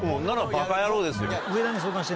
バカ野郎ですよ。